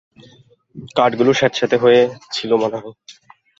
কাঠগুলো স্যাঁতসেঁতে হয়ে ছিল মনেহয়।